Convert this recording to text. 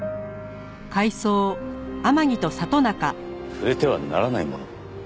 「触れてはならないもの」。